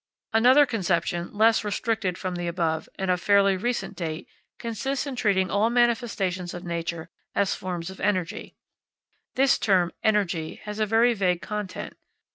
Another conception, less restricted than the above, and of fairly recent date, consists in treating all manifestations of nature as forms of energy. This term "energy" has a very vague content.